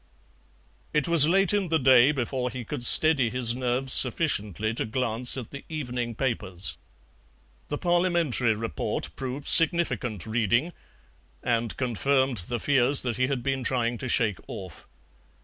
It was late in the day before he could steady his nerves sufficiently to glance at the evening papers. The Parliamentary report proved significant reading, and confirmed the fears that he had been trying to shake off.